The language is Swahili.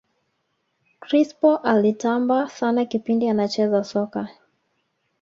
crespo alitamba sana kipindi anacheza soka